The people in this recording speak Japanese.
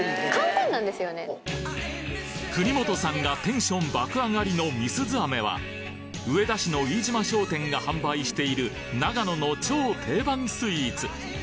国本さんがテンション爆上がりのみすゞ飴は上田市の飯島商店が販売している長野の超定番スイーツ！